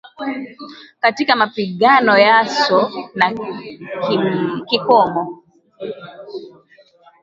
Katika mapigano yaso na kikomo.